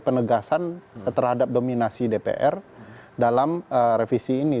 jadi saya ingin menekankan terhadap dominasi dpr dalam revisi ini